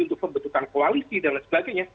untuk pembentukan koalisi dan lain sebagainya